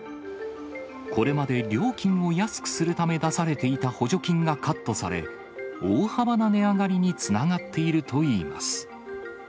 これまで料金を安くするため出されていた補助金がカットされ、大幅な値上がりにつながっているといいます。